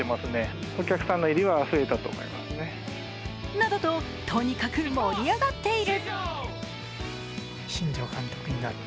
などととにかく盛り上がっている。